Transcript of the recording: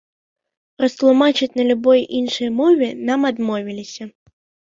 Растлумачыць на любой іншай мове нам адмовіліся.